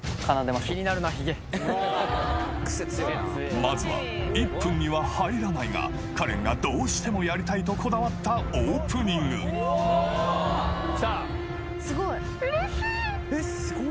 まずは１分には入らないがカレンがどうしてもやりたいとこだわったオープニングうれしい！